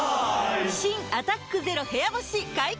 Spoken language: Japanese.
新「アタックＺＥＲＯ部屋干し」解禁‼